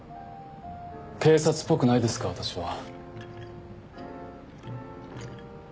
警察っぽくないですか私は。